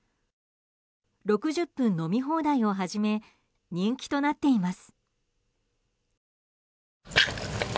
６０分飲み放題を始め人気となっています。